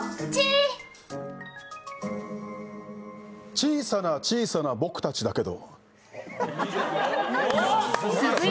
小さな小さな僕たちだけど。